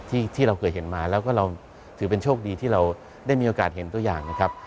ที่เราเคยเห็นมาแล้วก็เราถือเป็นโชคดีที่เราได้มีโอกาสเห็นตัวอย่างนะครับ